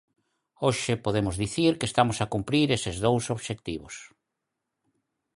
Hoxe podemos dicir que estamos a cumprir eses dous obxectivos.